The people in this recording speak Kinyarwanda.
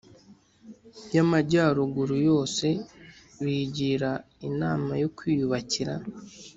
y’Amajyaruguru yose. Bigira inama yo kwiyubakira